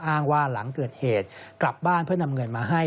อ้างว่าหลังเกิดเหตุกลับบ้านเพื่อนำเงินมาให้